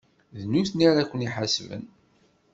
D nutni ara ken-iḥasben.